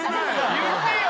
言ってよ！